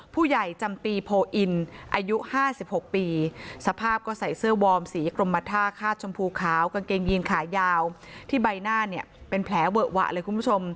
ผู้ใหญ่จำปีโพอินอายุ๕๖ปีสภาพก็ใส่เสื้อวอร์มสีกรมท่าคาดชมพูขาวกางเกงยีนขายาวที่ใบหน้าเนี่ยเป็นแผลเวอะหวะเลยคุณผู้ชม